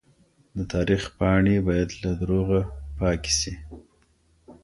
د تاريخ پاڼې بايد له دروغه پاکې سي.